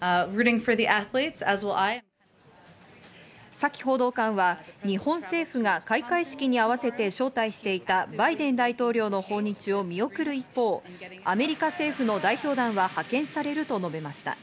サキ報道官は日本政府が開会式に合わせて招待していたバイデン大統領の訪日を見送る一方、アメリカ政府の代表団は派遣されると述べました。